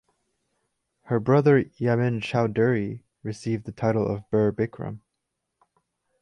Her brother Yamin Chowdhury received the title of Bir Bikram.